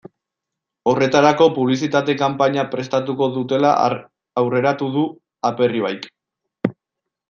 Horretarako publizitate kanpaina prestatuko dutela aurreratu du Aperribaik.